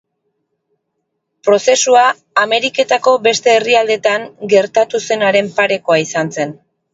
Prozesua Ameriketako beste herrialdetan gertatu zenaren parekoa izan zen.